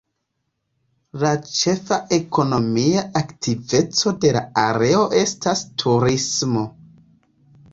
La ĉefa ekonomia aktiveco de la areo estas turismo.